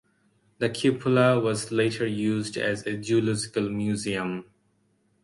The cupola was later used as a zoological museum.